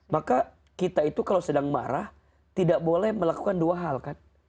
maka kita itu kalau sedang marah tidak boleh melakukan dua hal kan